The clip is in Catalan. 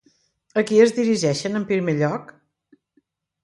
A qui es dirigeixen en primer lloc?